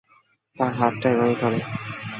তার হাতটা এভাবে ধর।